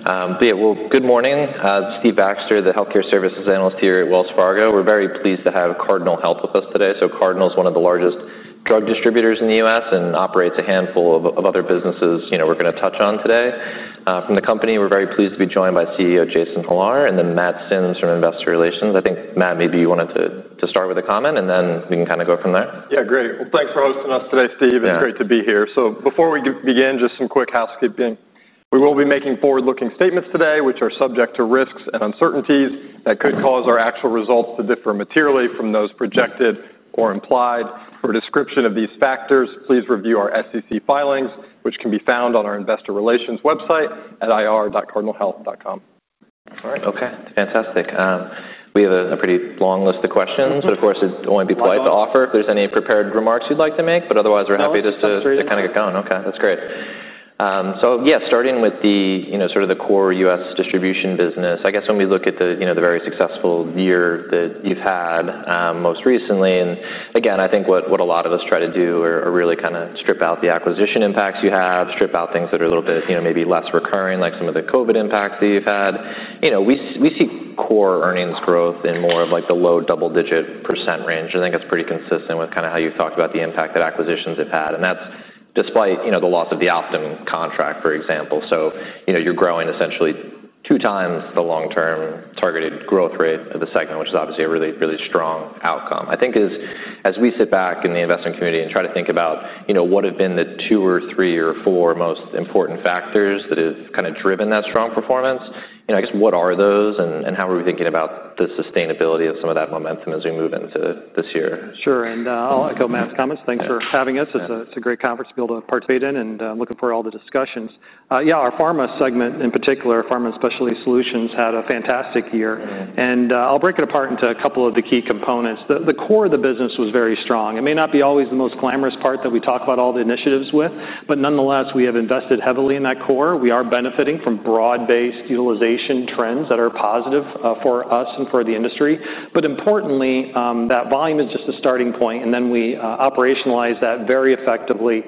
... Okay, great. Good morning, Steve Baxter, the healthcare services analyst here at Wells Fargo. We're very pleased to have Cardinal Health with us today. So Cardinal is one of the largest drug distributors in the U.S. and operates a handful of other businesses, you know, we're gonna touch on today. From the company, we're very pleased to be joined by CEO Jason Hollar, and then Matt Sims from Investor Relations. I think, Matt, maybe you wanted to start with a comment, and then we can kinda go from there. Yeah, great. Well, thanks for hosting us today, Steve. Yeah. It's great to be here. So before we do begin, just some quick housekeeping. We will be making forward-looking statements today, which are subject to risks and uncertainties that could cause our actual results to differ materially from those projected or implied. For a description of these factors, please review our SEC filings, which can be found on our investor relations website at ir.cardinalhealth.com. All right. Okay, fantastic. We have a pretty long list of questions. Of course, it'd only be polite to offer if there's any prepared remarks you'd like to make, but otherwise, we're happy just to- No, that's- Kinda get going. Okay, that's great. So yeah, starting with the, you know, sort of the core U.S. distribution business, I guess when we look at the, you know, the very successful year that you've had, most recently, and again, I think what a lot of us try to do are really kinda strip out the acquisition impacts you have, strip out things that are a little bit, you know, maybe less recurring, like some of the COVID impacts that you've had. You know, we see core earnings growth in more of, like, the low double-digit percent range, and I think it's pretty consistent with kinda how you've talked about the impact that acquisitions have had. And that's despite, you know, the loss of the Optum contract, for example. So, you know, you're growing essentially 2x the long-term targeted growth rate of the segment, which is obviously a really, really strong outcome. I think as we sit back in the investment community and try to think about, you know, what have been the two or three or four most important factors that have kinda driven that strong performance, you know, I guess, what are those, and how are we thinking about the sustainability of some of that momentum as we move into this year? Sure. And, I'll echo Matt's comments. Yeah. Thanks for having us. Yeah. It's a great conference to be able to participate in, and I'm looking for all the discussions. Yeah, our Pharma segment, in particular, Pharma Specialty Solutions, had a fantastic year. I'll break it apart into a couple of the key components. The core of the business was very strong. It may not be always the most glamorous part that we talk about all the initiatives with, but nonetheless, we have invested heavily in that core. We are benefiting from broad-based utilization trends that are positive for us and for the industry. But importantly, that volume is just a starting point, and then we operationalize that very effectively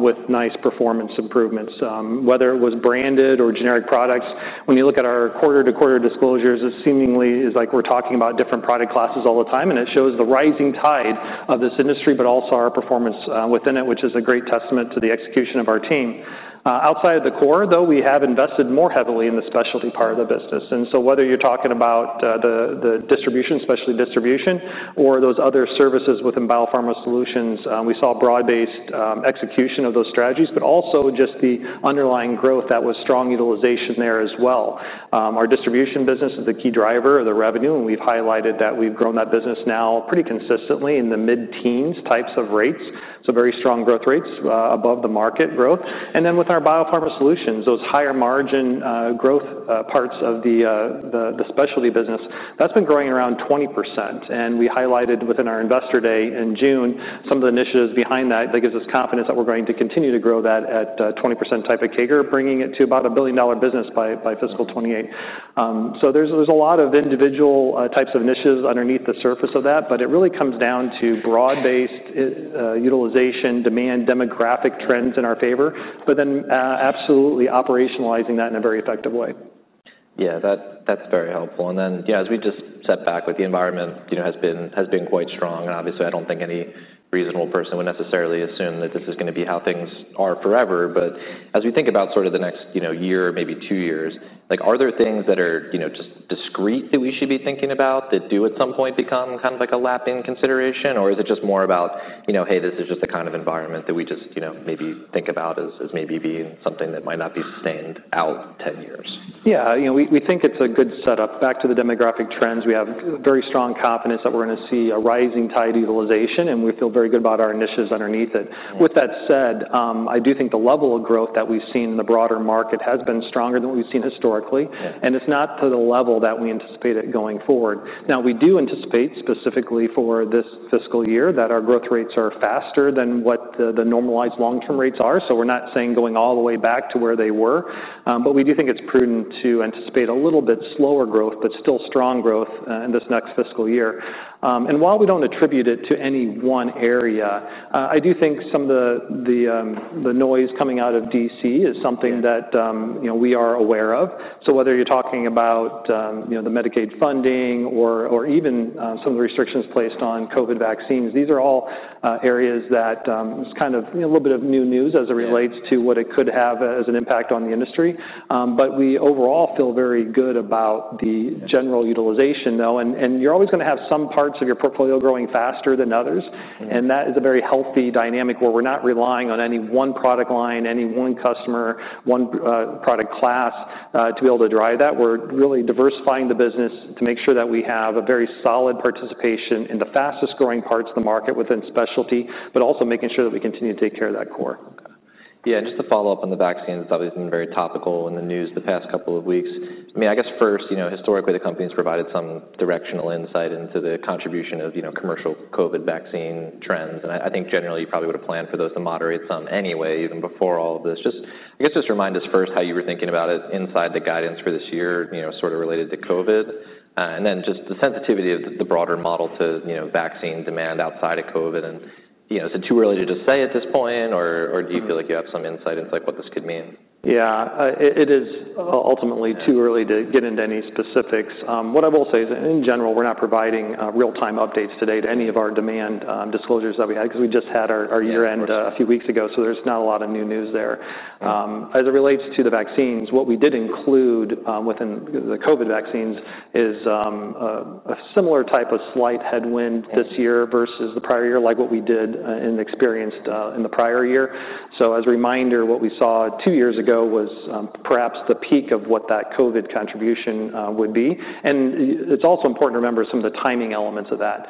with nice performance improvements. Whether it was branded or generic products, when you look at our quarter-to-quarter disclosures, it seemingly is like we're talking about different product classes all the time, and it shows the rising tide of this industry, but also our performance within it, which is a great testament to the execution of our team. Outside of the core, though, we have invested more heavily in the specialty part of the business, and so whether you're talking about the distribution, specialty distribution, or those other services within Biopharma Solutions, we saw broad-based execution of those strategies, but also just the underlying growth that was strong utilization there as well. Our distribution business is the key driver of the revenue, and we've highlighted that we've grown that business now pretty consistently in the mid-teens types of rates, so very strong growth rates above the market growth. And then with our Biopharma Solutions, those higher margin, growth, parts of the specialty business, that's been growing around 20%, and we highlighted within our Investor Day in June, some of the initiatives behind that, that gives us confidence that we're going to continue to grow that at 20% type of CAGR, bringing it to about a billion-dollar business by Fiscal 2028. So there's a lot of individual types of initiatives underneath the surface of that, but it really comes down to broad-based utilization, demand, demographic trends in our favor, but then absolutely operationalizing that in a very effective way. Yeah, that's very helpful. And then, yeah, as we just sat back, with the environment, you know, has been quite strong, and obviously, I don't think any reasonable person would necessarily assume that this is gonna be how things are forever. But as we think about sort of the next, you know, year or maybe two years, like, are there things that are, you know, just discrete that we should be thinking about, that do at some point become kind of like a lapping consideration? Or is it just more about, you know, hey, this is just the kind of environment that we just, you know, maybe think about as, as maybe being something that might not be sustained out ten years? Yeah, you know, we think it's a good setup. Back to the demographic trends, we have very strong confidence that we're gonna see a rising tide utilization, and we feel very good about our initiatives underneath it. Yeah. With that said, I do think the level of growth that we've seen in the broader market has been stronger than what we've seen historically. Yeah And it's not to the level that we anticipate it going forward. Now, we do anticipate, specifically for this fiscal year, that our growth rates are faster than what the normalized long-term rates are. So we're not saying going all the way back to where they were, but we do think it's prudent to anticipate a little bit slower growth, but still strong growth in this next fiscal year. And while we don't attribute it to any one area, I do think some of the noise coming out of DC is something that you know, we are aware of. So whether you're talking about, you know, the Medicaid funding or even some of the restrictions placed on COVID vaccines, these are all areas that it's kind of, you know, a little bit of new news as it relates- Yeah To what it could have as an impact on the industry. But we overall feel very good about the general utilization, though, and, and you're always gonna have some parts of your portfolio growing faster than others. That is a very healthy dynamic, where we're not relying on any one product line, any one customer, one product class to be able to drive that. We're really diversifying the business to make sure that we have a very solid participation in the fastest-growing parts of the market within specialty, but also making sure that we continue to take care of that core. Yeah, just to follow up on the vaccines, that has been very topical in the news the past couple of weeks. I mean, I guess first, you know, historically, the company's provided some directional insight into the contribution of, you know, commercial COVID vaccine trends. And I think generally, you probably would have planned for those to moderate some anyway, even before all of this. Just, I guess, just remind us first how you were thinking about it inside the guidance for this year, you know, sort of related to COVID. And then just the sensitivity of the broader model to, you know, vaccine demand outside of COVID, and, you know, is it too early to just say at this point, or do you feel like you have some insight into, like, what this could mean? Yeah. It is ultimately too early to get into any specifics. What I will say is that in general, we're not providing real-time updates today to any of our demand disclosures that we had, because we just had our year-end a few weeks ago, so there's not a lot of new news there. As it relates to the vaccines, what we did include within the COVID vaccines is a similar type of slight headwind this year versus the prior year, like what we did, and experienced, in the prior year. So as a reminder, what we saw two years ago was, perhaps the peak of what that COVID contribution, would be. And it's also important to remember some of the timing elements of that,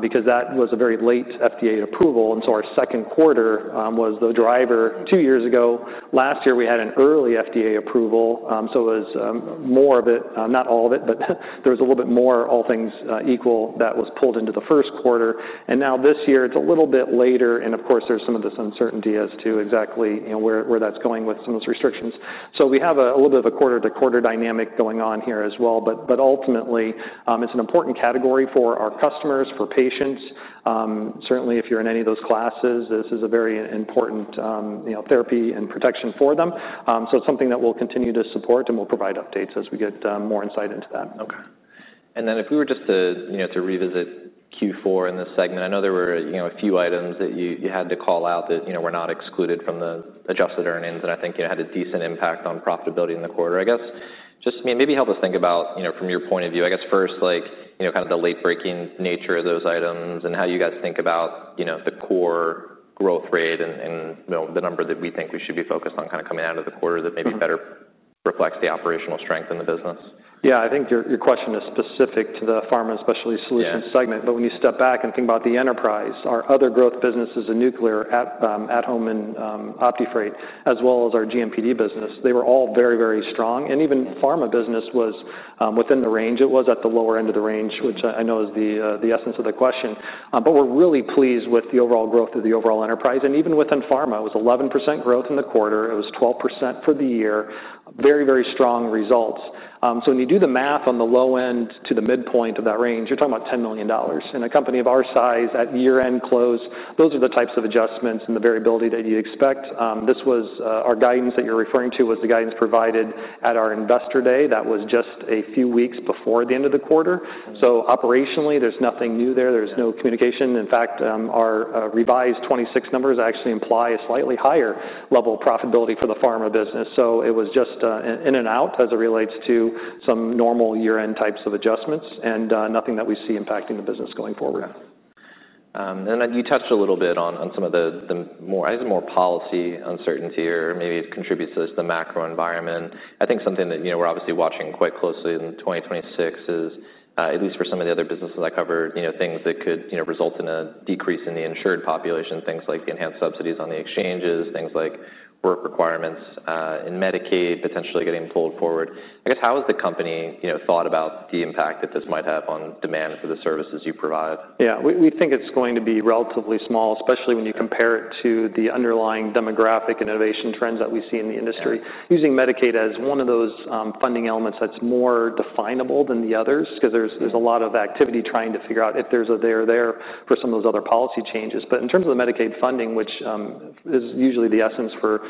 because that was a very late FDA approval, and so our second quarter, was the driver two years ago. Last year, we had an early FDA approval, so it was, more of it, not all of it, but there was a little bit more, all things, equal, that was pulled into the first quarter. And now this year, it's a little bit later, and of course, there's some of this uncertainty as to exactly, you know, where that's going with some of those restrictions. So we have a little bit of a quarter-to-quarter dynamic going on here as well. But ultimately, it's an important category for our customers, for patients. Certainly, if you're in any of those classes, this is a very important, you know, therapy and protection for them. So it's something that we'll continue to support, and we'll provide updates as we get more insight into that. Okay. And then if we were just to, you know, to revisit Q4 in this segment, I know there were, you know, a few items that you had to call out that, you know, were not excluded from the adjusted earnings, and I think it had a decent impact on profitability in the quarter. I guess, just, I mean, maybe help us think about, you know, from your point of view, I guess first, like, you know, kind of the late-breaking nature of those items and how you guys think about, you know, the core growth rate and, you know, the number that we think we should be focused on kind of coming out of the quarter that maybe better reflects the operational strength in the business. Yeah, I think your question is specific to the Pharma Specialty Solutions segment. Yeah. But when you step back and think about the enterprise, our other growth businesses in nuclear, at-Home and OptiFreight, as well as our GMPD business, they were all very, very strong. And even pharma business was within the range. It was at the lower end of the range, which I know is the essence of the question. But we're really pleased with the overall growth of the overall enterprise, and even within pharma, it was 11% growth in the quarter. It was 12% for the year. Very, very strong results. So when you do the math on the low end to the midpoint of that range, you're talking about $10 million. In a company of our size, at year-end close, those are the types of adjustments and the variability that you'd expect. This was our guidance that you're referring to was the guidance provided at our Investor Day. That was just a few weeks before the end of the quarter Operationally, there's nothing new there. Yeah. There's no communication. In fact, our revised 2026 numbers actually imply a slightly higher level of profitability for the pharma business. So it was just in and out as it relates to some normal year-end types of adjustments, and nothing that we see impacting the business going forward. Yeah, and then you touched a little bit on some of the more policy uncertainty or maybe it contributes to the macro environment. I think something that, you know, we're obviously watching quite closely in 2026 is at least for some of the other businesses I cover, you know, things that could, you know, result in a decrease in the insured population, things like the enhanced subsidies on the exchanges, things like work requirements in Medicaid, potentially getting pulled forward. I guess, how has the company, you know, thought about the impact that this might have on demand for the services you provide? Yeah. We think it's going to be relatively small, especially when you compare it to the underlying demographic innovation trends that we see in the industry. Yeah. Using Medicaid as one of those funding elements that's more definable than the others, because there's a lot of activity trying to figure out if there's a there there for some of those other policy changes. But in terms of the Medicaid funding, which is usually the essence for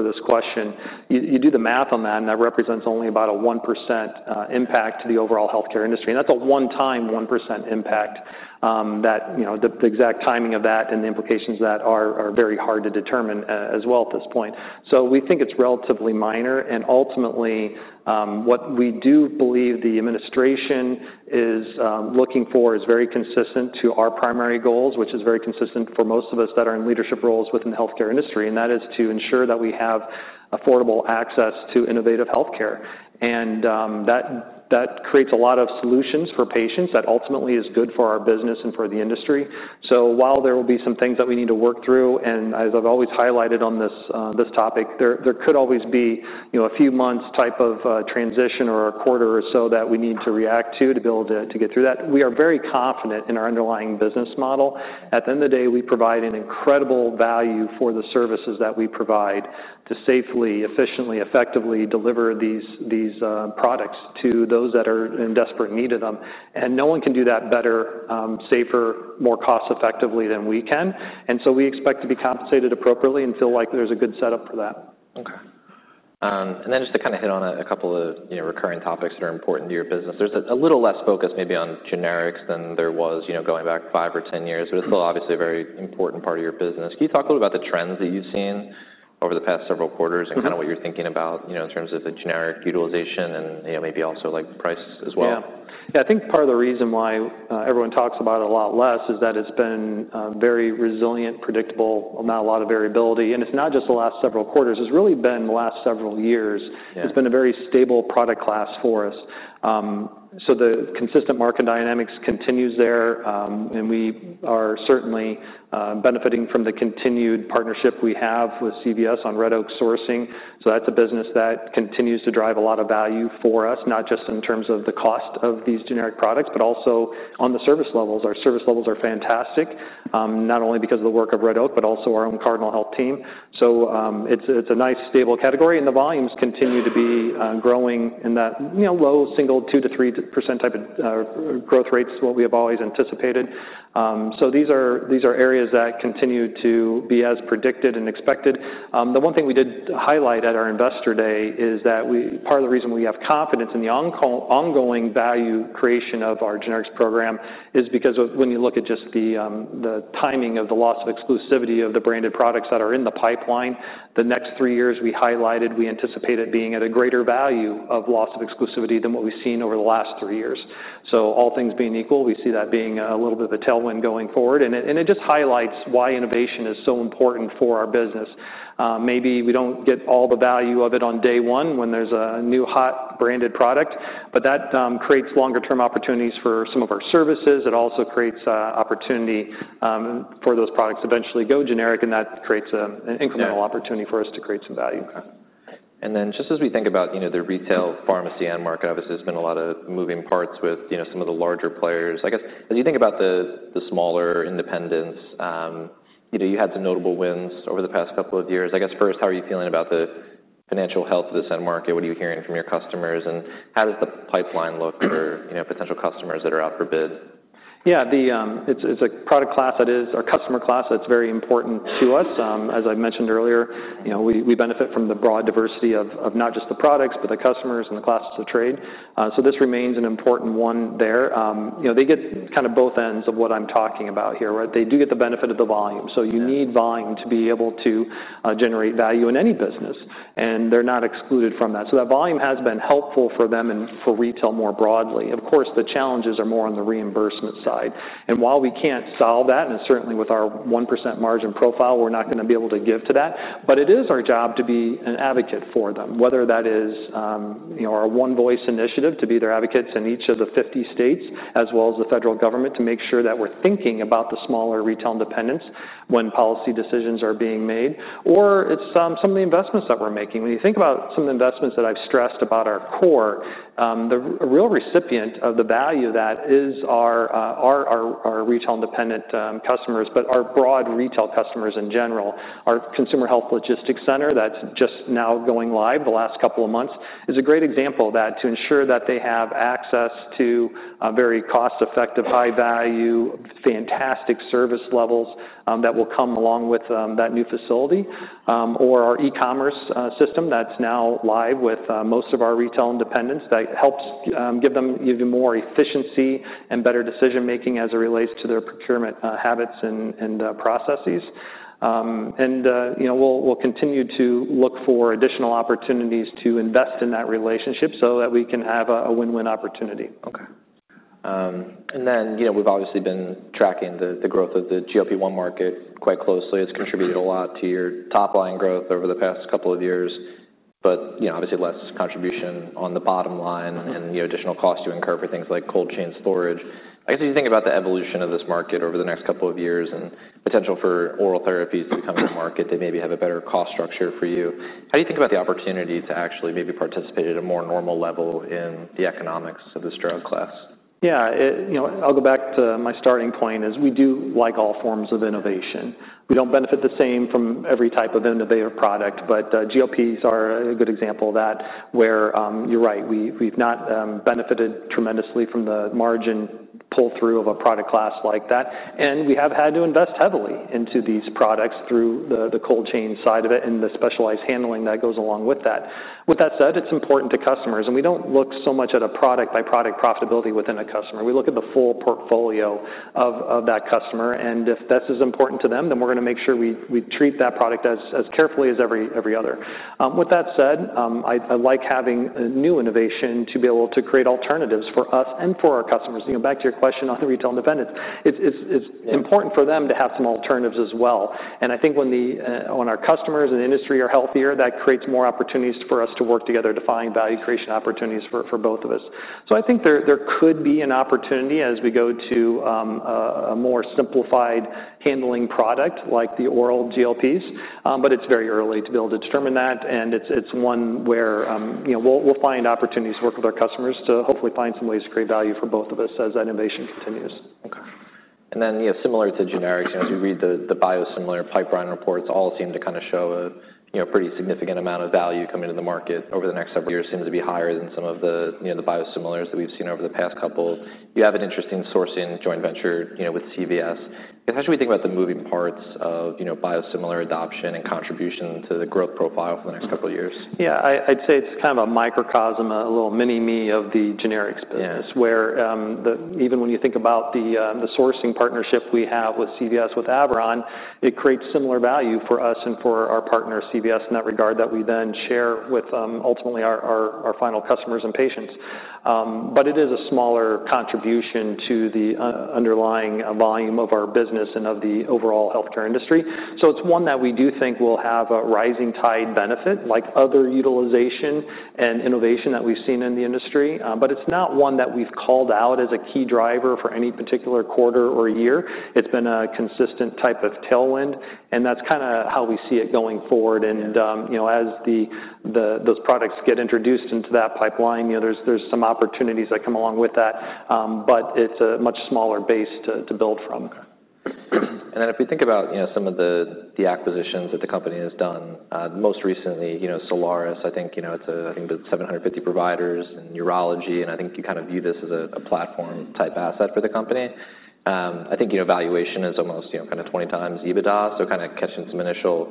this question, you do the math on that, and that represents only about a 1% impact to the overall healthcare industry, and that's a one-time 1% impact that you know the exact timing of that and the implications of that are very hard to determine as well at this point. So we think it's relatively minor, and ultimately, what we do believe the administration is looking for is very consistent to our primary goals, which is very consistent for most of us that are in leadership roles within the healthcare industry, and that is to ensure that we have affordable access to innovative healthcare. And, that creates a lot of solutions for patients that ultimately is good for our business and for the industry. So while there will be some things that we need to work through, and as I've always highlighted on this, this topic, there could always be, you know, a few months type of, transition or a quarter or so that we need to react to, to get through that. We are very confident in our underlying business model. At the end of the day, we provide an incredible value for the services that we provide to safely, efficiently, effectively deliver these products to those that are in desperate need of them, and no one can do that better, safer, more cost-effectively than we can, and so we expect to be compensated appropriately and feel like there's a good setup for that. Okay, and then just to kind of hit on a couple of, you know, recurring topics that are important to your business. There's a little less focus maybe on generics than there was, you know, going back five or 10 years but it's still obviously a very important part of your business. Can you talk a little about the trends that you've seen over the past several quarters? And kind of what you're thinking about, you know, in terms of the generic utilization and, you know, maybe also, like, price as well? Yeah, I think part of the reason why everyone talks about it a lot less is that it's been very resilient, predictable, not a lot of variability. It's not just the last several quarters, it's really been the last several years. Yeah. It's been a very stable product class for us, so the consistent market dynamics continues there, and we are certainly benefiting from the continued partnership we have with CVS on Red Oak Sourcing. So that's a business that continues to drive a lot of value for us, not just in terms of the cost of these generic products, but also on the service levels. Our service levels are fantastic, not only because of the work of Red Oak, but also our own Cardinal Health team, so it's a nice, stable category, and the volumes continue to be growing in that, you know, low single, 2%-3% type of growth rates, what we have always anticipated, so these are areas that continue to be as predicted and expected. The one thing we did highlight at our Investor Day is that part of the reason we have confidence in the ongoing value creation of our generics program is because of when you look at just the the timing of the loss of exclusivity of the branded products that are in the pipeline, the next three years, we highlighted, we anticipated being at a greater value of loss of exclusivity than what we've seen over the last three years. So all things being equal, we see that being a little bit of a tailwind going forward, and it, and it just highlights why innovation is so important for our business. Maybe we don't get all the value of it on day one when there's a new, hot, branded product, but that creates longer-term opportunities for some of our services. It also creates opportunity for those products to eventually go generic, and that creates an- Yeah incremental opportunity for us to create some value. Okay. And then, just as we think about, you know, the retail pharmacy end market, obviously, there's been a lot of moving parts with, you know, some of the larger players. I guess, as you think about the smaller independents, you know, you had some notable wins over the past couple of years. I guess, first, how are you feeling about the financial health of this end market? What are you hearing from your customers, and how does the pipeline look for, you know, potential customers that are out for bid? Yeah, it's a product class that is, or customer class, that's very important to us. As I mentioned earlier, you know, we benefit from the broad diversity of not just the products, but the customers and the classes of trade. So this remains an important one there. You know, they get kind of both ends of what I'm talking about here, right? They do get the benefit of the volume. Yeah. So you need volume to be able to generate value in any business, and they're not excluded from that. So that volume has been helpful for them and for retail more broadly. Of course, the challenges are more on the reimbursement side. And while we can't solve that, and certainly, with our 1% margin profile, we're not gonna be able to give to that, but it is our job to be an advocate for them, whether that is, you know, our One Voice initiative, to be their advocates in each of the 50 states, as well as the federal government, to make sure that we're thinking about the smaller retail independents when policy decisions are being made, or it's some of the investments that we're making. When you think about some of the investments that I've stressed about our core, the real recipient of the value of that is our retail independent customers, but our broad retail customers in general. Our Consumer Health Logistics Center, that's just now going live the last couple of months, is a great example of that, to ensure that they have access to a very cost-effective, high-value, fantastic service levels that will come along with that new facility, or our e-commerce system that's now live with most of our retail independents. That helps give them even more efficiency and better decision-making as it relates to their procurement habits and processes. You know, we'll continue to look for additional opportunities to invest in that relationship so that we can have a win-win opportunity. Okay, and then, you know, we've obviously been tracking the growth of the GLP-1 market quite closely. It's contributed a lot to your top-line growth over the past couple of years, but, you know, obviously, less contribution on the bottom line and, you know, additional cost to incur for things like cold chain storage. I guess, if you think about the evolution of this market over the next couple of years and potential for oral therapies to come to the market, they maybe have a better cost structure for you. How do you think about the opportunity to actually maybe participate at a more normal level in the economics of this drug class? Yeah, you know, I'll go back to my starting point. We do like all forms of innovation. We don't benefit the same from every type of innovative product, but GLPs are a good example of that, where you're right. We've not benefited tremendously from the margin pull-through of a product class like that, and we have had to invest heavily into these products through the cold chain side of it and the specialized handling that goes along with that. With that said, it's important to customers, and we don't look so much at a product-by-product profitability within a customer. We look at the full portfolio of that customer, and if this is important to them, then we're gonna make sure we treat that product as carefully as every other. With that said, I like having a new innovation to be able to create alternatives for us and for our customers. You know, back to your question on the retail independence, it's important for them to have some alternatives as well. And I think when our customers and the industry are healthier, that creates more opportunities for us to work together to find value creation opportunities for both of us. So I think there could be an opportunity as we go to a more simplified handling product, like the oral GLPs, but it's very early to be able to determine that, and it's one where, you know, we'll find opportunities to work with our customers to hopefully find some ways to create value for both of us as that innovation continues. Okay. And then, you know, similar to generics, you know, as you read the biosimilar pipeline reports, all seem to kind of show a, you know, pretty significant amount of value coming into the market over the next several years. Seems to be higher than some of the, you know, the biosimilars that we've seen over the past couple. You have an interesting sourcing joint venture, you know, with CVS. How should we think about the moving parts of, you know, biosimilar adoption and contribution to the growth profile for the next couple of years? Yeah, I'd say it's kind of a microcosm, a little mini-me of the generics business. Yeah Where even when you think about the sourcing partnership we have with CVS, with Red Oak, it creates similar value for us and for our partner, CVS, in that regard, that we then share with ultimately our final customers and patients, but it is a smaller contribution to the underlying volume of our business and of the overall healthcare industry, so it's one that we do think will have a rising tide benefit, like other utilization and innovation that we've seen in the industry, but it's not one that we've called out as a key driver for any particular quarter or year. It's been a consistent type of tailwind, and that's kinda how we see it going forward. You know, as those products get introduced into that pipeline, you know, there's some opportunities that come along with that. But it's a much smaller base to build from. And then if you think about, you know, some of the acquisitions that the company has done, most recently, you know, Solaris, I think, you know, it's, I think that seven hundred and fifty providers in urology, and I think you kind of view this as a platform-type asset for the company. I think, you know, valuation is almost, you know, kind of twenty times EBITDA, so kinda catching some initial,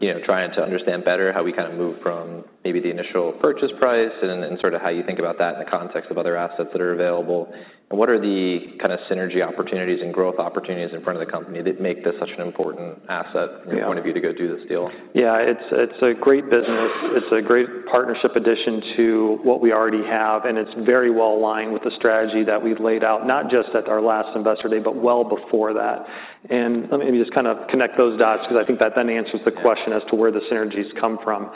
you know, trying to understand better how we kind of move from maybe the initial purchase price and then, and sort of how you think about that in the context of other assets that are available. And what are the kinda synergy opportunities and growth opportunities in front of the company that make this such an important asset- Yeah from your point of view, to go do this deal? Yeah. It's a great business. It's a great partnership addition to what we already have, and it's very well aligned with the strategy that we've laid out, not just at our last Investor Day, but well before that. And let me just kinda connect those dots, 'cause I think that then answers the question as to where the synergies come from.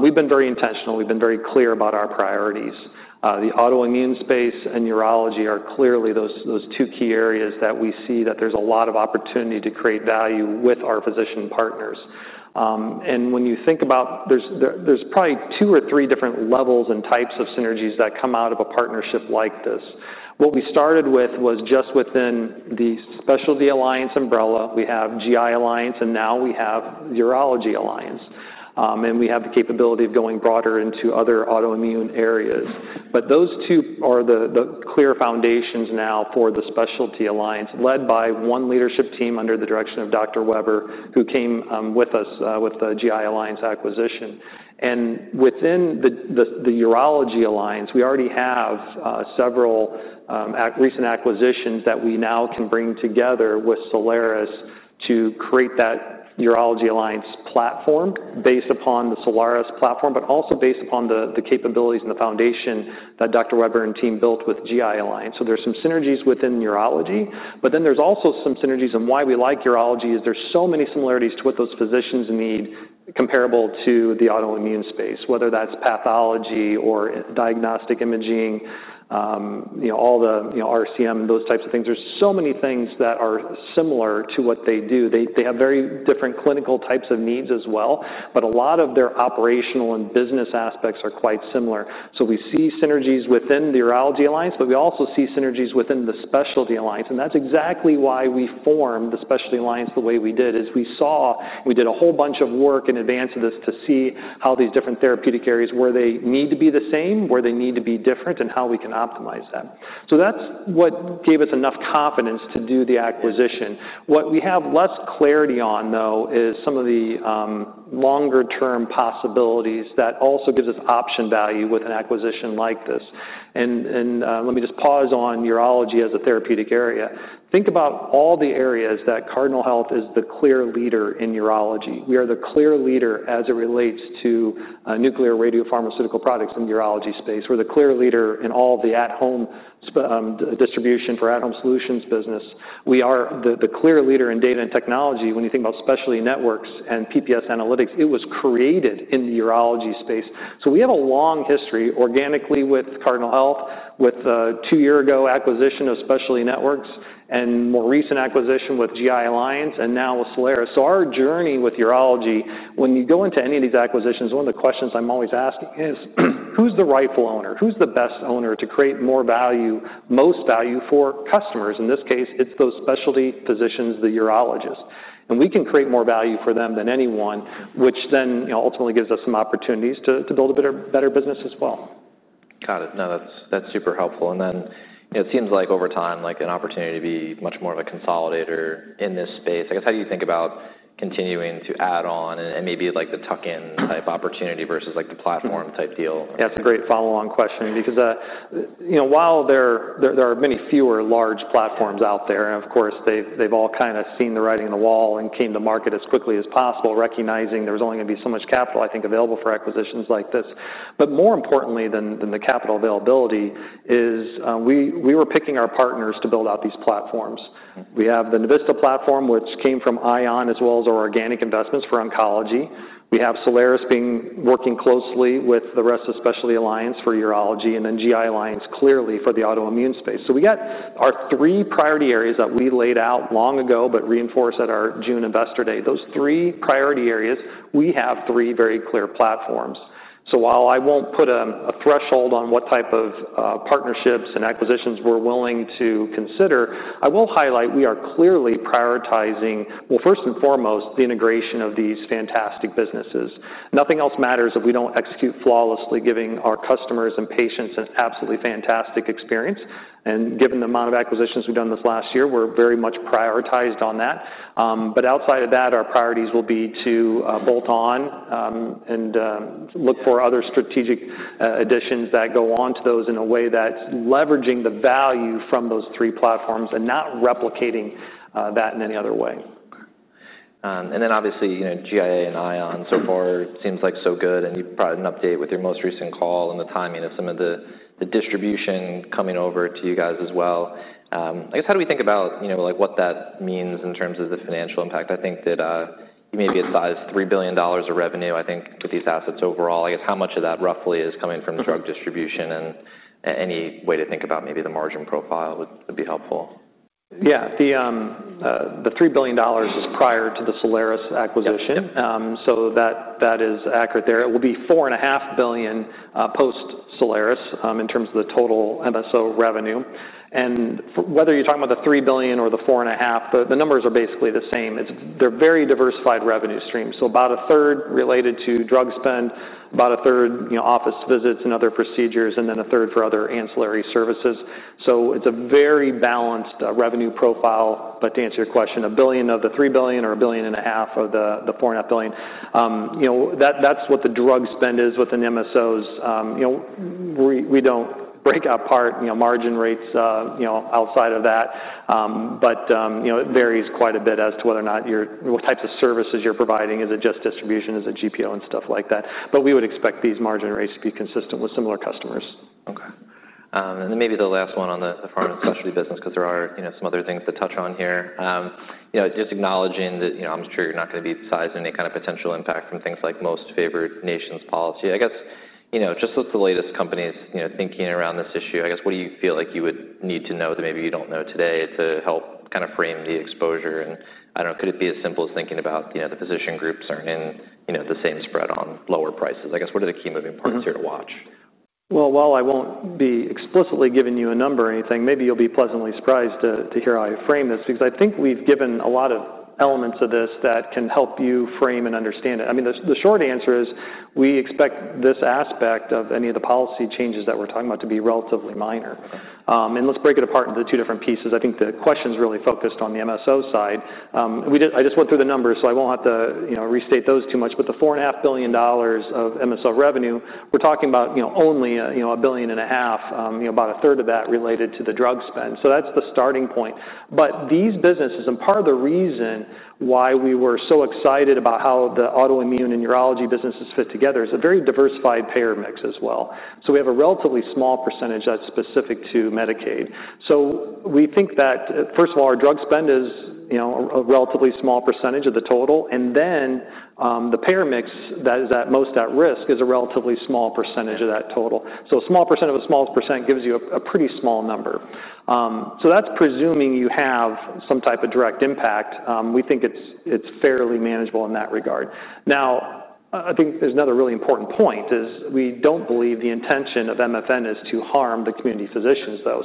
We've been very intentional. We've been very clear about our priorities. The autoimmune space and urology are clearly those two key areas that we see that there's a lot of opportunity to create value with our physician partners. And when you think about, there's probably two or three different levels and types of synergies that come out of a partnership like this. What we started with was just within the Specialty Alliance umbrella. We have GI Alliance, and now we have Urology Alliance. And we have the capability of going broader into other autoimmune areas. But those two are the clear foundations now for the Specialty Alliance, led by one leadership team under the direction of Dr. Weber, who came with us with the GI Alliance acquisition. And within the Urology Alliance, we already have several recent acquisitions that we now can bring together with Solaris to create that Urology Alliance platform based upon the Solaris platform, but also based upon the capabilities and the foundation that Dr. Weber and team built with GI Alliance. There's some synergies within urology, but then there's also some synergies, and why we like urology is there's so many similarities to what those physicians need, comparable to the autoimmune space, whether that's pathology or diagnostic imaging, you know, all the, you know, RCM and those types of things. There's so many things that are similar to what they do. They have very different clinical types of needs as well, but a lot of their operational and business aspects are quite similar. So we see synergies within the Urology Alliance, but we also see synergies within the Specialty Alliance, and that's exactly why we formed the Specialty Alliance the way we did, is we saw. We did a whole bunch of work in advance of this to see how these different therapeutic areas, where they need to be the same, where they need to be different, and how we can optimize that. So that's what gave us enough confidence to do the acquisition. What we have less clarity on, though, is some of the longer-term possibilities that also gives us option value with an acquisition like this. And let me just pause on urology as a therapeutic area. Think about all the areas that Cardinal Health is the clear leader in urology. We are the clear leader as it relates to nuclear radiopharmaceutical products in the urology space. We're the clear leader in all the at-home distribution for at-Home Solutions business. We are the clear leader in data and technology. When you think about Specialty Networks and PPS Analytics, it was created in the urology space. So we have a long history, organically with Cardinal Health, with the two years ago acquisition of Specialty Networks, and more recent acquisition with GI Alliance, and now with Solaris. So our journey with urology, when you go into any of these acquisitions, one of the questions I'm always asking is, who's the rightful owner? Who's the best owner to create more value, most value for customers? In this case, it's those specialty physicians, the urologists, and we can create more value for them than anyone, which then, you know, ultimately gives us some opportunities to build a better business as well. Got it. No, that's, that's super helpful. And then, it seems like over time, like, an opportunity to be much more of a consolidator in this space. I guess, how do you think about continuing to add on and, and maybe, like, the tuck-in type opportunity versus, like, the platform-type deal? That's a great follow-on question because, you know, while there are many fewer large platforms out there, and of course, they've all kinda seen the writing on the wall and came to market as quickly as possible, recognizing there's only gonna be so much capital, I think, available for acquisitions like this. But more importantly than the capital availability is, we were picking our partners to build out these platforms. We have the Navista platform, which came from ION, as well as our organic investments for oncology. We have Solaris working closely with the rest of Specialty Alliance for urology, and then GI Alliance, clearly for the autoimmune space. So we got our three priority areas that we laid out long ago, but reinforced at our June Investor Day. Those three priority areas, we have three very clear platforms. So while I won't put a threshold on what type of partnerships and acquisitions we're willing to consider, I will highlight we are clearly prioritizing... well, first and foremost, the integration of these fantastic businesses. Nothing else matters if we don't execute flawlessly, giving our customers and patients an absolutely fantastic experience. And given the amount of acquisitions we've done this last year, we're very much prioritized on that. But outside of that, our priorities will be to bolt on and look for other strategic additions that go onto those in a way that's leveraging the value from those three platforms and not replicating that in any other way. And then obviously, you know, GI Alliance and Ion so far seems like so good, and you brought an update with your most recent call and the timing of some of the distribution coming over to you guys as well. I guess, how do we think about, you know, like, what that means in terms of the financial impact? I think that, maybe it's size $3 billion of revenue, I think, with these assets overall. I guess, how much of that, roughly, is coming from drug distribution, and any way to think about maybe the margin profile would be helpful. Yeah. The $3 billion is prior to the Solaris acquisition. Yep, yep. So that is accurate there. It will be $4.5 billion, post-Solaris, in terms of the total MSO revenue. And whether you're talking about the $3 billion or the $4.5 billion, the numbers are basically the same. It's. They're very diversified revenue streams, so about a third related to drug spend, about a third, you know, office visits and other procedures, and then a third for other ancillary services. So it's a very balanced revenue profile. But to answer your question, $1 billion of the $3 billion or $1.5 billion of the $4.5 billion, you know, that's what the drug spend is within MSOs. You know, we don't break apart, you know, margin rates, you know, outside of that. But, you know, it varies quite a bit as to whether or not you're what types of services you're providing. Is it just distribution? Is it GPO, and stuff like that. But we would expect these margin rates to be consistent with similar customers. Okay. And then maybe the last one on the pharma specialty business, 'cause there are, you know, some other things to touch on here. You know, just acknowledging that, you know, I'm sure you're not gonna be sizing any kind of potential impact from things like Most Favored Nations policy. I guess, you know, just with the latest companies, you know, thinking around this issue, I guess, what do you feel like you would need to know that maybe you don't know today to help kinda frame the exposure? And I don't know, could it be as simple as thinking about, you know, the physician groups are in, you know, the same spread on lower prices? I guess, what are the key moving part here to watch? While I won't be explicitly giving you a number or anything, maybe you'll be pleasantly surprised to hear how I frame this, because I think we've given a lot of elements of this that can help you frame and understand it. I mean, the short answer is, we expect this aspect of any of the policy changes that we're talking about to be relatively minor, and let's break it apart into two different pieces. I think the question's really focused on the MSO side. We did. I just went through the numbers, so I won't have to, you know, restate those too much, but the $4.5 billion of MSO revenue we're talking about, you know, only, you know, a $1.5 billion, you know, about a third of that related to the drug spend. So that's the starting point. But these businesses, and part of the reason why we were so excited about how the autoimmune and urology businesses fit together, is a very diversified payer mix as well. So we have a relatively small percentage that's specific to Medicaid. So we think that, first of all, our drug spend is, you know, a relatively small percentage of the total, and then, the payer mix that is at most at risk is a relatively small percentage of that total. So a small percent of a small prcent gives you a pretty small number. So that's presuming you have some type of direct impact. We think it's fairly manageable in that regard. Now, I think there's another really important point, is we don't believe the intention of MFN is to harm the community physicians, though.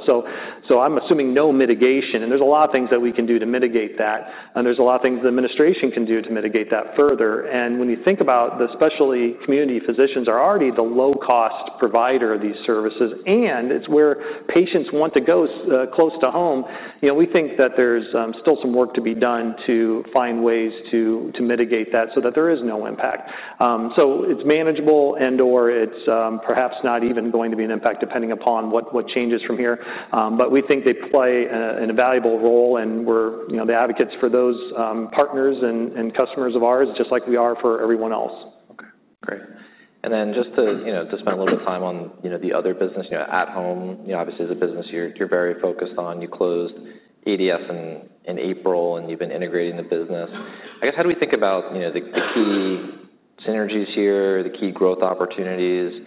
So I'm assuming no mitigation, and there's a lot of things that we can do to mitigate that, and there's a lot of things the administration can do to mitigate that further, and when you think about the especially community physicians are already the low-cost provider of these services, and it's where patients want to go, close to home. You know, we think that there's still some work to be done to find ways to mitigate that so that there is no impact, so it's manageable and/or it's perhaps not even going to be an impact, depending upon what changes from here, but we think they play an invaluable role, and we're, you know, the advocates for those partners and customers of ours, just like we are for everyone else. Okay, great. And then just to, you know, to spend a little bit of time on, you know, the other business, you know, at home, you know, obviously, as a business you're very focused on, you closed ADS in April, and you've been integrating the business. I guess, how do we think about, you know, the key synergies here, the key growth opportunities?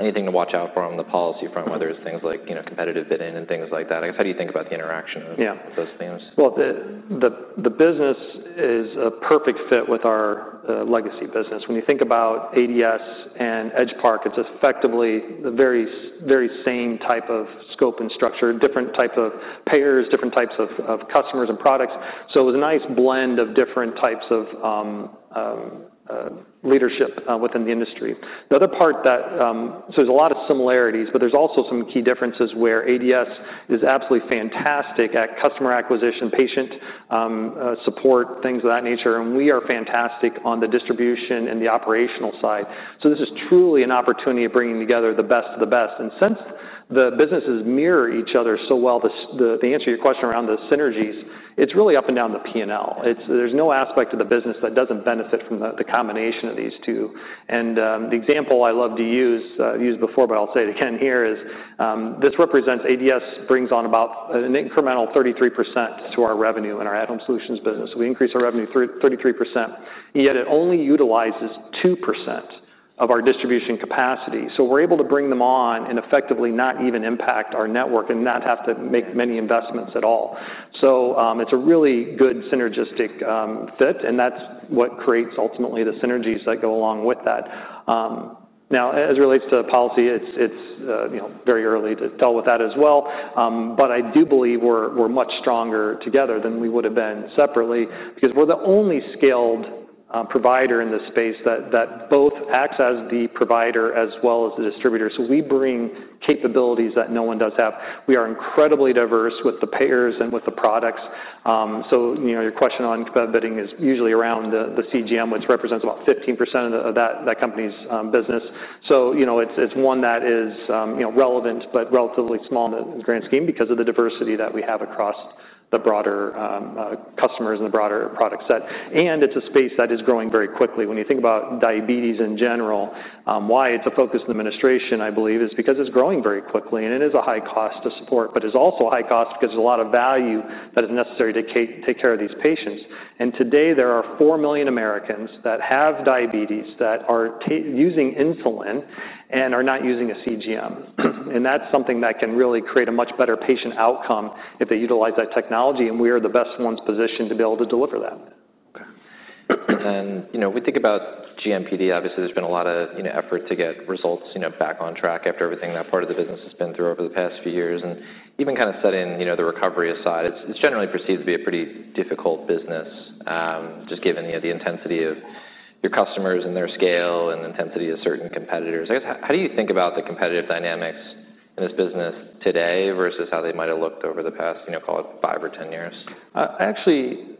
Anything to watch out from the policy front, whether it's things like, you know, competitive bidding and things like that? I guess, how do you think about the interaction of those things? The business is a perfect fit with our legacy business. When you think about ADS and Edgepark, it's effectively the very same type of scope and structure, different type of payers, different types of customers and products, so it was a nice blend of different types of leadership within the industry. The other part that, so there's a lot of similarities, but there's also some key differences where ADS is absolutely fantastic at customer acquisition, patient support, things of that nature, and we are fantastic on the distribution and the operational side, so this is truly an opportunity of bringing together the best of the best. And since the businesses mirror each other so well, to answer your question around the synergies, it's really up and down the P&L. There's no aspect of the business that doesn't benefit from the combination of these two. And, the example I love to use, I've used before, but I'll say it again here, is, this represents ADS brings on about an incremental 33% to our revenue in our at-Home Solutions business. We increase our revenue 33%, yet it only utilizes 2% of our distribution capacity. So we're able to bring them on and effectively not even impact our network and not have to make many investments at all. So, it's a really good synergistic fit, and that's what creates ultimately the synergies that go along with that. Now, as it relates to policy, it's, you know, very early to tell with that as well. But I do believe we're much stronger together than we would have been separately, because we're the only scaled provider in this space that both acts as the provider as well as the distributor. So we bring capabilities that no one does have. We are incredibly diverse with the payers and with the products. So, you know, your question on competitive bidding is usually around the CGM, which represents about 15% of that company's business. So, you know, it's one that is, you know, relevant but relatively small in the grand scheme because of the diversity that we have across the broader customers and the broader product set, and it's a space that is growing very quickly. When you think about diabetes in general, why it's a focus in administration, I believe, is because it's growing very quickly, and it is a high cost to support, but it's also a high cost 'cause there's a lot of value that is necessary to take care of these patients. And today, there are 4 million Americans that have diabetes, that are using insulin and are not using a CGM. And that's something that can really create a much better patient outcome if they utilize that technology, and we are the best ones positioned to be able to deliver that. You know, we think about GMPD. Obviously, there's been a lot of, you know, effort to get results, you know, back on track after everything that part of the business has been through over the past few years, and even kind of setting, you know, the recovery aside, it's generally perceived to be a pretty difficult business, just given the intensity of your customers and their scale and intensity of certain competitors. I guess, how do you think about the competitive dynamics in this business today versus how they might have looked over the past, you know, call it five or 10 years? I actually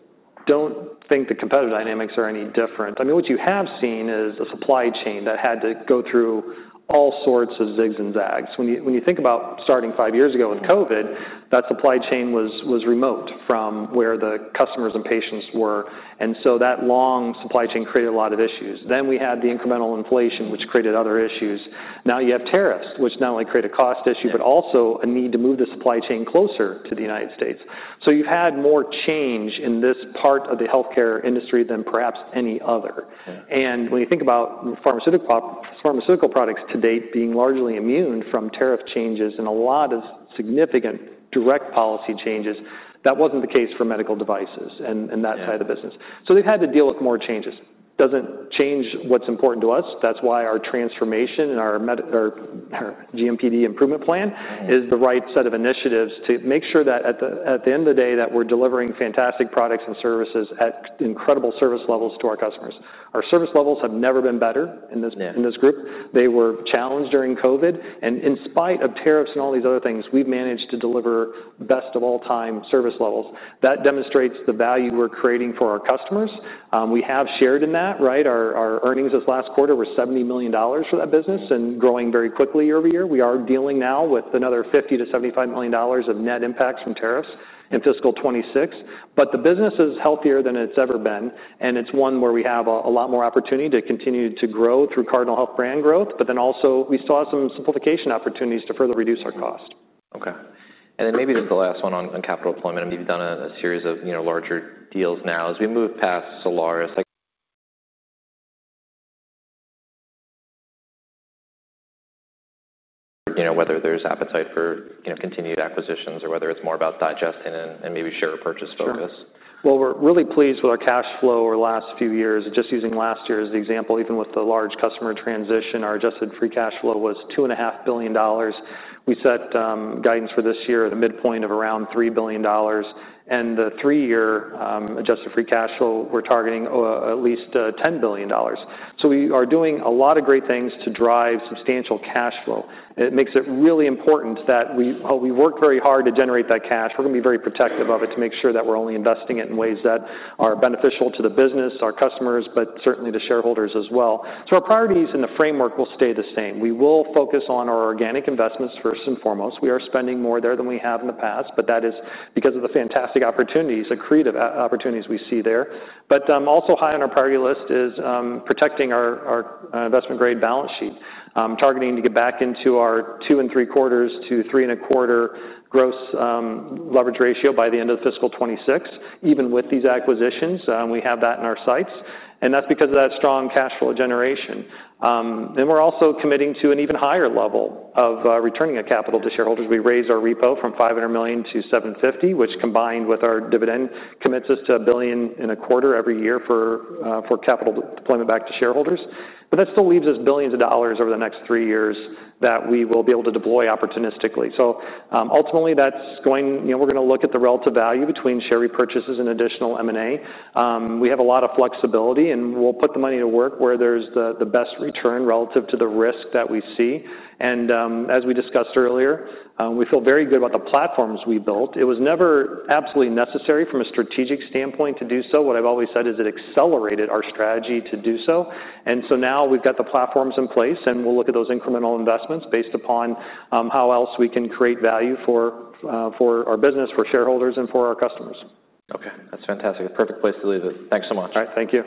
don't think the competitive dynamics are any different. I mean, what you have seen is a supply chain that had to go through all sorts of zigs and zags. When you think about starting five years ago with COVID, that supply chain was remote from where the customers and patients were, and so that long supply chain created a lot of issues. Then we had the incremental inflation, which created other issues. Now, you have tariffs, which not only create a cost issue. But also a need to move the supply chain closer to the United States, so you've had more change in this part of the healthcare industry than perhaps any other. Yeah. When you think about pharmaceutical products to date being largely immune from tariff changes and a lot of significant direct policy changes, that wasn't the case for medical devices and Yeah and that side of the business. So we've had to deal with more changes. Doesn't change what's important to us. That's why our transformation and our GMPD improvement plan is the right set of initiatives to make sure that at the end of the day, that we're delivering fantastic products and services at incredible service levels to our customers. Our service levels have never been better in this group Yeah They were challenged during COVID, and in spite of tariffs and all these other things, we've managed to deliver best of all time service levels. That demonstrates the value we're creating for our customers. We have shared in that, right? Our earnings this last quarter were $70 million for that business and growing very quickly year-over-year. We are dealing now with another $50 million-$75 million of net impacts from tariffs in Fiscal 2026, but the business is healthier than it's ever been, and it's one where we have a lot more opportunity to continue to grow through Cardinal Health brand growth. But then also, we saw some simplification opportunities to further reduce our cost. Okay. And then maybe this is the last one on capital deployment. You've done a series of, you know, larger deals now. As we move past Solaris, like, you know, whether there's appetite for, you know, continued acquisitions or whether it's more about digesting and maybe share repurchase focus? Sure. Well, we're really pleased with our cash flow over the last few years. Just using last year as the example, even with the large customer transition, our adjusted free cash flow was $2.5 billion. We set guidance for this year at a midpoint of around $3 billion, and the three-year adjusted free cash flow, we're targeting at least $10 billion. So we are doing a lot of great things to drive substantial cash flow. It makes it really important that we... While we work very hard to generate that cash, we're gonna be very protective of it to make sure that we're only investing it in ways that are beneficial to the business, our customers, but certainly the shareholders as well. So our priorities in the framework will stay the same. We will focus on our organic investments first and foremost. We are spending more there than we have in the past, but that is because of the fantastic opportunities, accretive opportunities we see there. But also high on our priority list is protecting our investment-grade balance sheet. Targeting to get back into our 2.75-3.25 gross leverage ratio by the end of fiscal 2026. Even with these acquisitions, we have that in our sights, and that's because of that strong cash flow generation. And we're also committing to an even higher level of returning a capital to shareholders. We raised our repo from $500 million-$750 million, which, combined with our dividend, commits us to $1.25 billion every year for capital deployment back to shareholders. But that still leaves us billions of dollars over the next three years that we will be able to deploy opportunistically. So, ultimately, that's going. You know, we're gonna look at the relative value between share repurchases and additional M&A. We have a lot of flexibility, and we'll put the money to work where there's the, the best return relative to the risk that we see. And, as we discussed earlier, we feel very good about the platforms we built. It was never absolutely necessary from a strategic standpoint to do so. What I've always said is it accelerated our strategy to do so. And so now we've got the platforms in place, and we'll look at those incremental investments based upon, how else we can create value for, for our business, for shareholders, and for our customers. Okay, that's fantastic. A perfect place to leave it. Thanks so much. All right. Thank you.